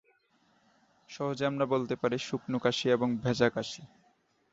সহজে আমরা বলতে পারি- শুকনো কাশি এবং ভেজা কাশি।